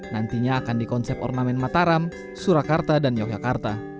nantinya akan dikonsep ornamen mataram surakarta dan yogyakarta